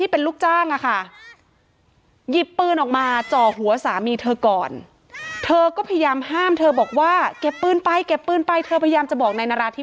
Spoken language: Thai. พยายามห้ามเธอบอกว่าเก็บปืนไปเก็บปืนไปเธอพยายามจะบอกนายนาราธิบ